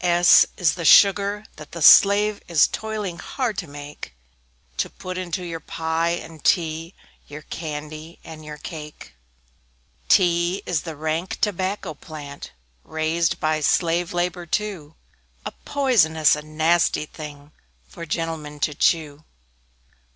S S is the Sugar, that the slave Is toiling hard to make, To put into your pie and tea, Your candy, and your cake. T T is the rank Tobacco plant, Raised by slave labor too: A poisonous and nasty thing, For gentlemen to chew.